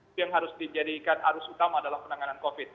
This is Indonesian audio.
itu yang harus dijadikan arus utama dalam penanganan covid